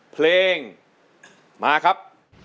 เพลงมาครับ